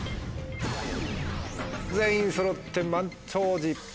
全員そろって満潮時。